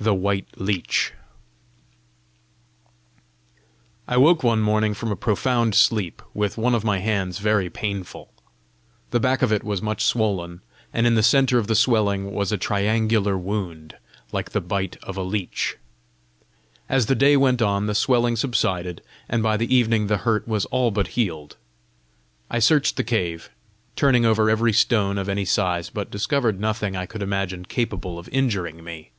THE WHITE LEECH I woke one morning from a profound sleep, with one of my hands very painful. The back of it was much swollen, and in the centre of the swelling was a triangular wound, like the bite of a leech. As the day went on, the swelling subsided, and by the evening the hurt was all but healed. I searched the cave, turning over every stone of any size, but discovered nothing I could imagine capable of injuring me.